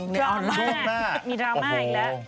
ช่วงหน้ามีราวน์มาอีกแล้ว